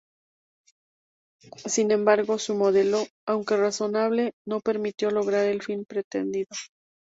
Sin embargo, su modelo, aunque razonable, no permitió lograr el fin pretendido.